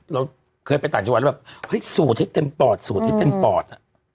เราเคยไปต่างจังหวัดดูกำลังว่าสูตรที่เต็มปอด